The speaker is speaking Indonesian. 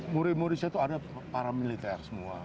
murid murid saya itu ada para militer semua